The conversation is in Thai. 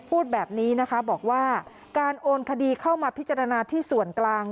พูดแบบนี้นะคะบอกว่าการโอนคดีเข้ามาพิจารณาที่ส่วนกลาง